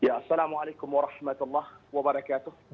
assalamualaikum warahmatullahi wabarakatuh